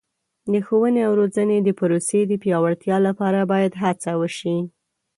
د ښوونې او روزنې د پروسې د پیاوړتیا لپاره باید هڅه وشي.